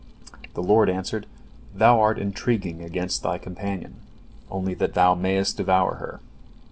The Lord answered: "Thou art intriguing against thy companion, only that thou mayest devour her.